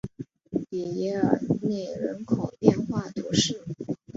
比耶尔内人口变化图示